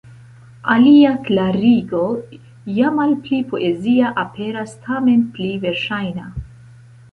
Alia klarigo, ja malpli poezia, aperas tamen pli verŝajna.